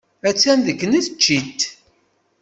Attan deg tneččit.